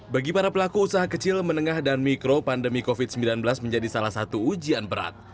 bagi para pelaku usaha kecil menengah dan mikro pandemi covid sembilan belas menjadi salah satu ujian berat